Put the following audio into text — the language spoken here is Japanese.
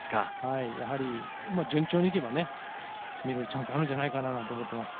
やはり順調にいけば見られるチャンスがあるかなと思っています。